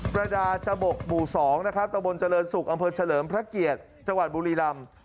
ประดาษ์จบก๒ตะวนเจริญศุกร์อำเภอเฉลิมพระเกียรติจังหวัดบุรีรัม